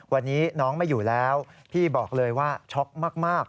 วันนี้น้องไม่อยู่แล้วพี่บอกเลยว่าช็อกมาก